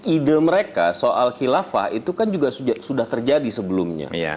ide mereka soal khilafah itu kan juga sudah terjadi sebelumnya